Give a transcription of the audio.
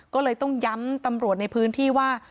ก็เลยต้องย้ำตำรวจในพื้นที่ว่า